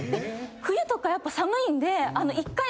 冬とかやっぱ寒いんで。